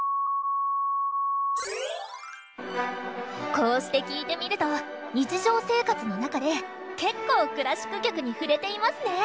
こうして聴いてみると日常生活の中でけっこうクラシック曲に触れていますね！